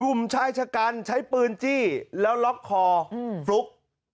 ชายชะกันใช้ปืนจี้แล้วล็อกคอฟลุ๊ก